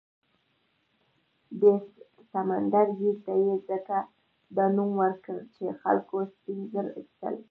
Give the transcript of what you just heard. دې سمندرګي ته یې ځکه دا نوم ورکړ چې خلکو سپین زر اېستل.